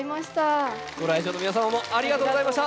ご来場の皆様もありがとうございました。